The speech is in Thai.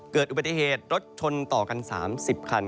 เกิดอุบัติเหตุรถชนต่อกัน๓๐คัน